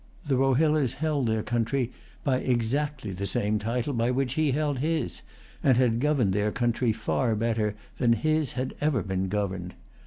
The Rohillas held their country by exactly the same title by which he held his, and had governed their country far better than his had ever been governed.